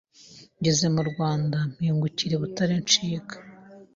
ngeze mu Rwanda mpingukira I butare ncika